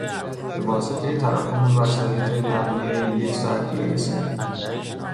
به واسطهی تراکم وسایط نقلیه یک ساعت دیر رسیدیم.